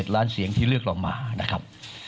ล้านเสียงที่เลือกเรามานะครับ